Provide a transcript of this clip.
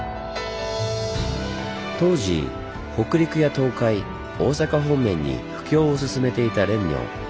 当時北陸や東海大阪方面に布教をすすめていた蓮如。